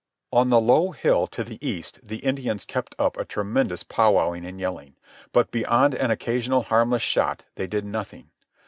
On the low hill to the east the Indians kept up a tremendous powwowing and yelling. But beyond an occasional harmless shot they did nothing.